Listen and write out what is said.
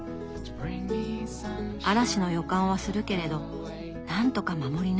嵐の予感はするけれどなんとか守り抜く。